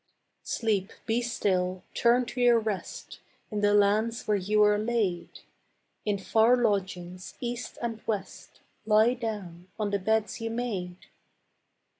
Sleep, be still, turn to your rest In the lands where you are laid; In far lodgings east and west Lie down on the beds you made.